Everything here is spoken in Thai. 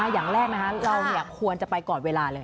อย่างแรกเราควรจะไปก่อนเวลาเลย